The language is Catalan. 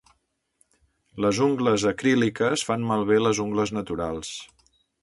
Les ungles acríliques fan malbé les ungles naturals